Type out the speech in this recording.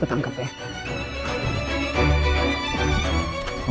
kita ada apa lagi sih